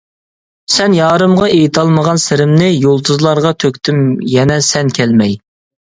سەن يارىمغا ئېيتالمىغان سىرىمنى، يۇلتۇزلارغا تۆكتۈم يەنە سەن كەلمەي.